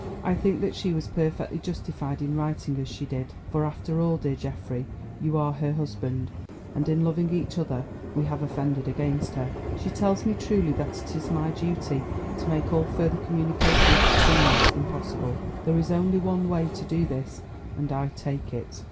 I think that she was perfectly justified in writing as she did, for after all, dear Geoffrey, you are her husband, and in loving each other we have offended against her. She tells me truly that it is my duty to make all further communications between us impossible. There is only one way to do this, and I take it.